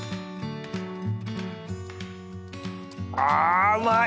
あうまい！